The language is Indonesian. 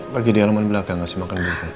lagi di alaman belakang gak sih makan dulu